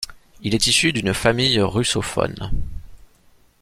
Il est issu d'une famille russophone.